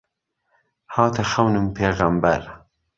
هاته خهونم پیغهمبەر